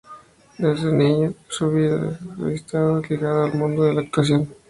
Desde niño su vida ha estado ligada al mundo de la actuación.